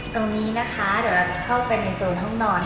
ตรงนี้นะคะเดี๋ยวเราจะเข้าไปในโซนห้องนอน